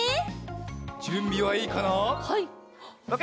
じゅんびはいいかな？